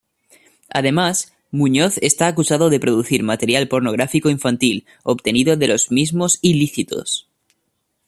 Además, Muñoz está acusado de producir material pornográfico infantil, obtenido de los mismos ilícitos.